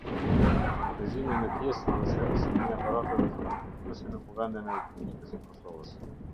Furnizimi me pjesë dhe servisimi i aparateve fotokopjuese në kuvendin e republikës së kosovës